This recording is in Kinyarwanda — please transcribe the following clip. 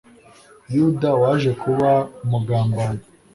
Yuda waje kuba umugambanyi